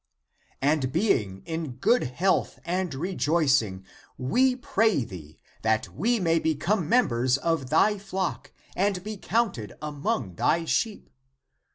And being in good health, and rejoicing, we pray thee, that we may become members of thy flock and be counted among thy sheep.